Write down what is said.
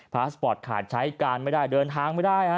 พาสปอร์ตขาดใช้การไม่ได้เดินทางไม่ได้ฮะ